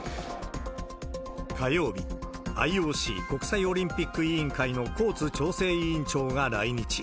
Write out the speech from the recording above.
火曜日、ＩＯＣ・国際オリンピック委員会のコーツ調整委員長が来日。